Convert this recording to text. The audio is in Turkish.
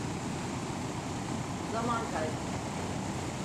Zaman kaybı.